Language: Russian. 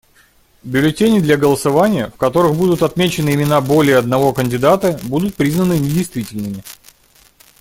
Бюллетени для голосования, в которых будут отмечены имена более одного кандидата, будут признаны недействительными.